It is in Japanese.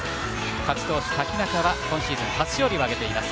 勝ち投手、瀧中は今シーズン初勝利を挙げています。